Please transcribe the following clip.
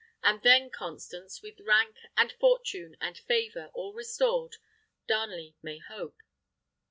And then, Constance, with rank, and fortune, and favour, all restored, Darnley may hope."